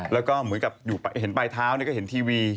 แล้วก็เหมือนกับเห็นปลายเท้าก็เห็นทีวี